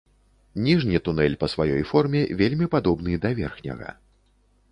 Ніжні тунэль па сваёй форме вельмі падобны да верхняга.